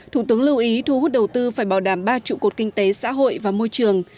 thủ tướng lưu ý thu hút đầu tư phải bảo đảm ba trụ cột kinh tế xã hội và môi trường